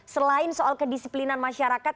selain soal kedisiplinan masyarakat